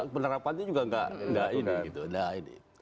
penerapan itu juga enggak ini